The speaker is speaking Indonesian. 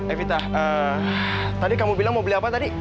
evita tadi kamu bilang mau beli apa tadi